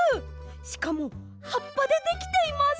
しかもはっぱでできています！